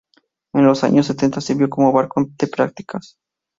En los años setenta sirvió como barco de prácticas.